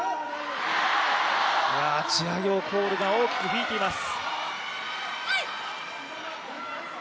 ジャーヨーコールが大きく響いています。